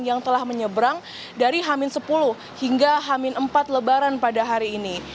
yang telah menyeberang dari hamin sepuluh hingga hamin empat lebaran pada hari ini